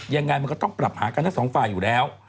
ยังไงมันก็ต้องปรับหากันทั้งสองฝ่ายอยู่แล้ว